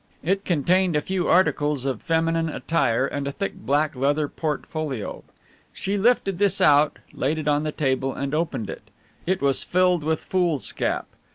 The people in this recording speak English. It contained a few articles of feminine attire and a thick black leather portfolio. She lifted this out, laid it on the table and opened it. It was filled with foolscap.